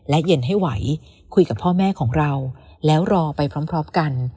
และเย็นให้ไหวคุยกับพ่อแม่ของเราแล้วรอไปพร้อมกัน